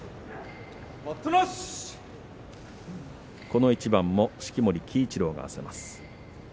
この一番も式守鬼一郎が合わせます。